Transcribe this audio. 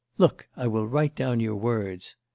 Look, I will write down your words.